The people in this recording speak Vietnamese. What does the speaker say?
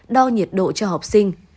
đo nhiệt độ cho học sinh